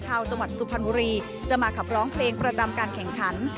ชาวจังหวัดสุพรรณบุรีจะมาขับร้องเพลงประจำการแข่งขัน